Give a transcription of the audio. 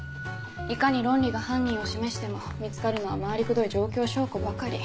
いかに論理が犯人を示しても見つかるのは回りくどい状況証拠ばかり。